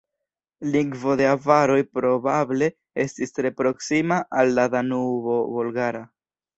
Lingvo de avaroj probable estis tre proksima al la Danubo-Bolgara.